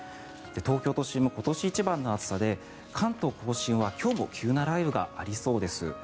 東京都心も今年一番の暑さで関東・甲信は今日も急な雷雨がありそうです。